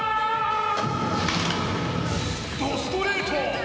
怒ストレート。